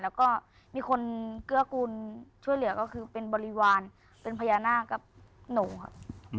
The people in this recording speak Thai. แล้วก็มีคนเกื้อกูลช่วยเหลือก็คือเป็นบริวารเป็นพญานาคกับหนูครับ